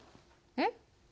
えっ？